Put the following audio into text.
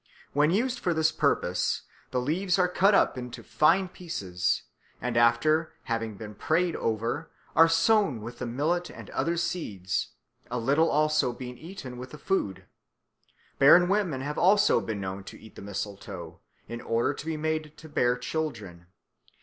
When used for this purpose, the leaves are cut up into fine pieces, and, after having been prayed over, are sown with the millet and other seeds, a little also being eaten with the food. Barren women have also been known to eat the mistletoe, in order to be made to bear children.